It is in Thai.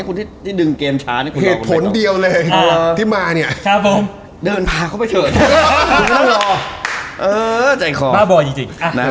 คือตอนเนี้ยพยายามค่ะเดี๋ยว